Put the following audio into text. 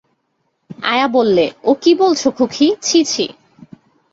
আয়া বললে, ও কী বলছ খোঁখী, ছি ছি!